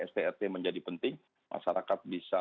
strp menjadi penting masyarakat bisa